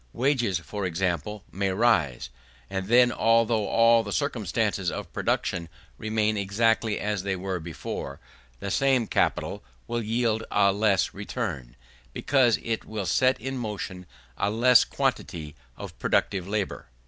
Wages, for example, may rise; and then, although all the circumstances of production remain exactly as they were before, the same capital will yield a less return, because it will set in motion a less quantity of productive labour.